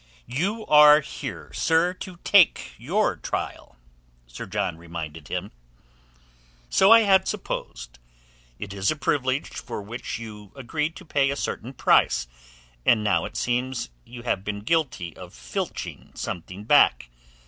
"You are here, sir, to take your trial," Sir John reminded him. "So I had supposed. It is a privilege for which you agreed to pay a certain price, and now it seems you have been guilty of filching something back.